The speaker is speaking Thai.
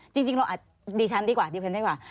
จริงเราอาจดีชั้นดีกว่าดีเพลินดีกว่า